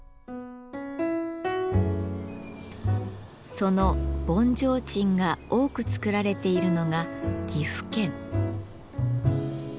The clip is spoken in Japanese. その盆提灯が多く作られているのが岐阜県。